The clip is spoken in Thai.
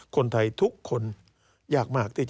การเลือกตั้งครั้งนี้แน่